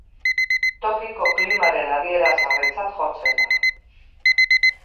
Tokiko klimaren adierazgarritzat jotzen da.